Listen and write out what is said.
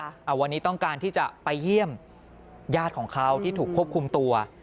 วันนี้ต้องการที่จะไปเยี่ยมญาติของเขาที่ถูกควบคุมตัว